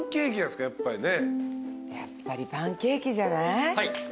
やっぱりパンケーキじゃない？